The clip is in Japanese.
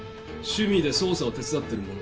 趣味で捜査を手伝ってる者だ。